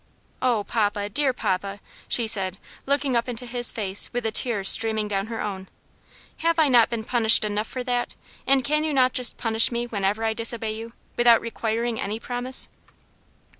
"Oh, papa! dear papa!" she said, looking up into his face with the tears streaming down her own, "have I not been punished enough for that? and can you not just punish me whenever I disobey you, without requiring any promise?"